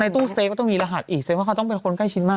ในตู้เซฟก็มีรหัสอีกเซฟว่าเขาต้องเป็นคนใกล้ชินมาก